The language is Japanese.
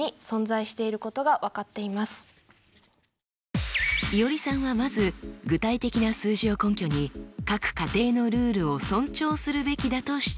いおりさんはまず具体的な数字を根拠に各家庭のルールを尊重するべきだと主張しました。